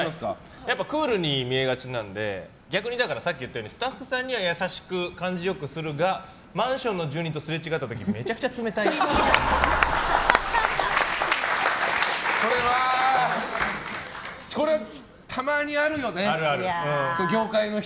やっぱりクールに見えがちなので逆にさっき言ったようにスタッフさんには優しく感じ良くするがマンションの住人とすれ違った時これはたまにあるよね。